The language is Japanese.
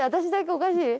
おかしい？